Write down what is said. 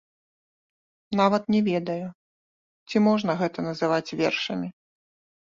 Нават не ведаю, ці можна гэта называць вершамі.